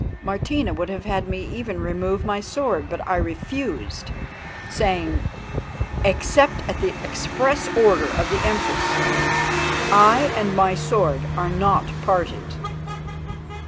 Martina would have had me even remove my sword, but I refused, saying: "Except at the express order of the Empress, I and my sword are not parted."